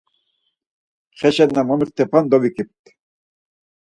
Xeşen na momixtepan dovikipt.